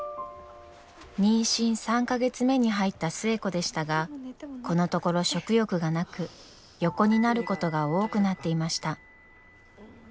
妊娠３か月目に入った寿恵子でしたがこのところ食欲がなく横になることが多くなっていました。